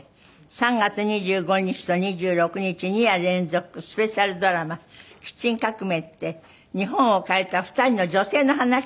３月２５日と２６日２夜連続スペシャルドラマ『キッチン革命』って日本を変えた２人の女性の話なんですね。